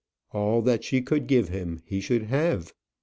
All that she could give him he should have.